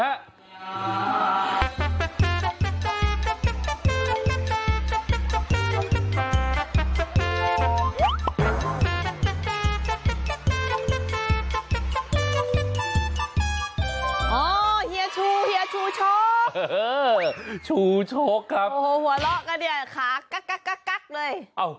เฮียชูเฮียชูโชคชูโชคครับโอ้โหหัวเราะกันเนี่ยขากักเลย